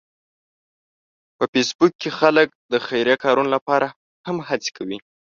په فېسبوک کې خلک د خیریه کارونو لپاره هم هڅې کوي